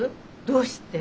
どうして？